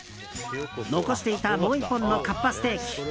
残していたもう１本のかっぱステーキ。